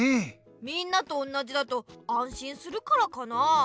みんなとおんなじだとあんしんするからかなあ。